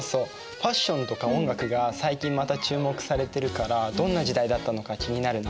ファッションとか音楽が最近また注目されてるからどんな時代だったのか気になるな。